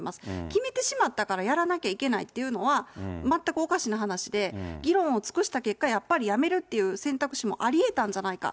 決めてしまったから、やらなきゃいけないっていうのは、全くおかしな話で、議論を尽くした結果、やっぱりやめるっていう選択肢もありえたんじゃないか。